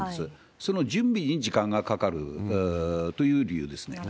その準備に時間がかかるという理由です。